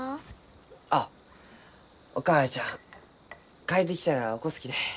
あっお母ちゃん帰ってきたら起こすきね。